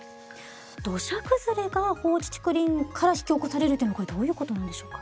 土砂崩れが放置竹林から引き起こされるというのはこれどういうことなんでしょうか。